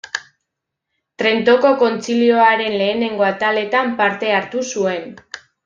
Trentoko Kontzilioaren lehenengo ataletan parte hartu zuen.